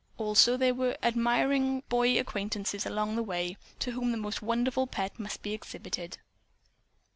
Also there were admiring boy acquaintances along the way, to whom the wonderful pet must be exhibited.